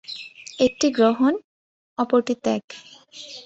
একটি গ্রহণ, অপরটি ত্যাগ।